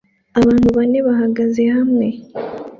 Abantu bane bahagaze hamwe